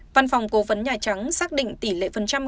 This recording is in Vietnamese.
văn phòng cố vấn nhà trắng xác định tỷ lệ phần trăm